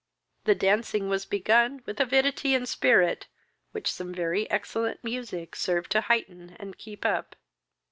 The dancing was begun with avidity and spirit, which some very excellent music served to heighten and keep up.